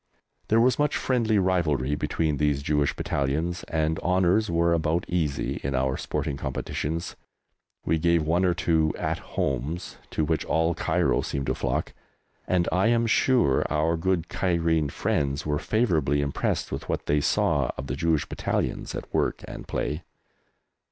There was much friendly rivalry between these Jewish Battalions, and honours were about easy in our sporting competitions. We gave one or two "At Homes," to which all Cairo seemed to flock, and I am sure our good Cairene friends were favourably impressed with what they saw of the Jewish Battalions at work and play.